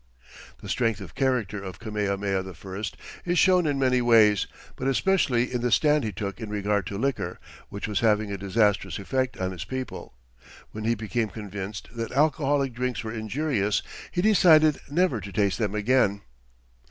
The strength of character of Kamehameha I is shown in many ways, but especially in the stand he took in regard to liquor, which was having a disastrous effect on his people. When he became convinced that alcoholic drinks were injurious, he decided never to taste them again.